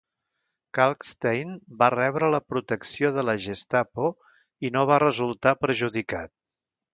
Kalkstein va rebre la protecció de la Gestapo i no va resultar perjudicat.